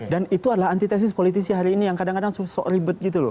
dan itu adalah antitesis politisi hari ini yang kadang kadang susuk ribet gitu loh